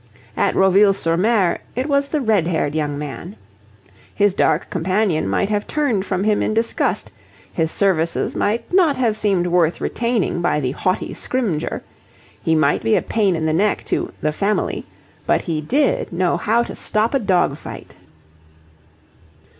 At Roville sur Mer it was the red haired young man. His dark companion might have turned from him in disgust: his services might not have seemed worth retaining by the haughty Scrymgeour: he might be a pain in the neck to "the family"; but he did know how to stop a dog fight.